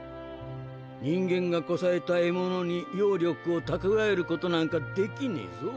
人間がこさえた得物に妖力を蓄えることなんかできねぇぞ。